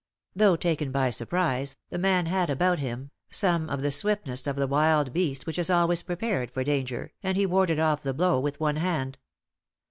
Though taken by surprise, the man had about him some of the swiftness of the wild beast which is always prepared for danger, and he warded off the blow with one hand.